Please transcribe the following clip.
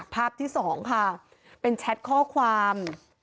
ภาพที่สองค่ะเป็นแชทข้อความ